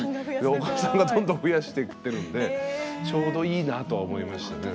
お子さんがどんどん増やしていってるんでちょうどいいなとは思いましたね。